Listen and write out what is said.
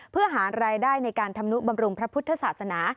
เพื่อหารายได้ในการทำนุบำรุงพระพุทธศาสนา